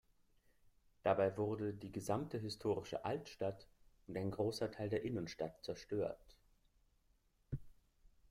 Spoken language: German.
Dabei wurde die gesamte historische Altstadt und ein großer Teil der Innenstadt zerstört.